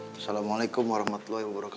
assalamualaikum warahmatullahi wabarakatuh